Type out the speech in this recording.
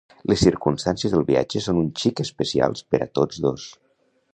Les circumstàncies del viatge són un xic especials per a tots dos.